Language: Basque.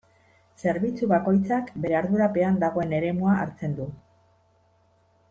Zerbitzu bakoitzak bere ardurapean dagoen eremua hartzen du.